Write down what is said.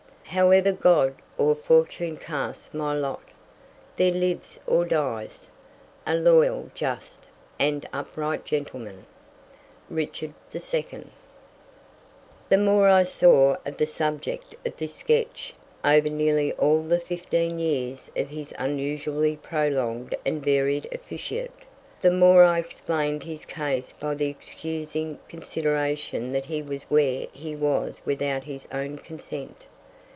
"However God or fortune cast my lot, There lives or dies... A loyal, just, and upright gentleman." Richard II. The more I saw of the subject of this sketch, over nearly all the fifteen years of his unusually prolonged and varied officiate, the more I explained his case by the excusing consideration that he was where he was without his own consent.